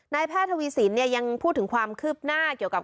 แพทย์ทวีสินยังพูดถึงความคืบหน้าเกี่ยวกับ